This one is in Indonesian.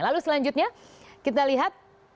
lalu selanjutnya kita lihat